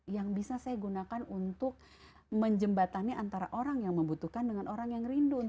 yang bisa saya gunakan untuk menjembatani antara orang yang membutuhkan dengan orang yang rindu